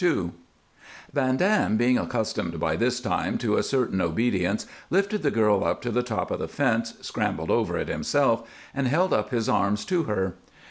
II Van Dam, being accustomed by this time to a certain obedience, lifted the girl up to the top of the fence, scrambled over it himself, and held up his arms to her.